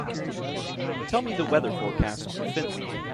Tell me the weather forecast for Finland